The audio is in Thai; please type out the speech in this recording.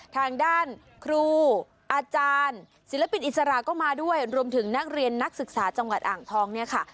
ทางด้านครูอาจารย์ศิลปินอิสระก็มาด้วยรวมถึงนักเรียนนักศึกษาจังหวัดอ่างทองเนี่ยค่ะ